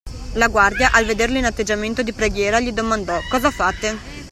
La guardia al vederlo in atteggiamento di preghiera gli domandò:"Cosa fate?"